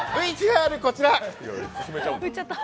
ＶＴＲこちら！